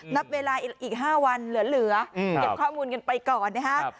นับเวลาอีก๕วันเหลือเก็บข้อมูลกันไปก่อนนะฮะ